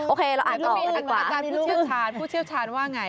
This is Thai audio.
โอเคเราอ่านออกกันกว่าอาจารย์ผู้เชี่ยวชาญผู้เชี่ยวชาญว่าอย่างไร